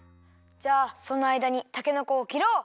じゃあそのあいだにたけのこをきろう！